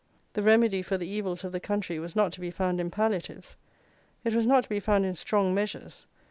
The remedy for the evils of the country was not to be found in palliatives; it was not to be found in strong measures.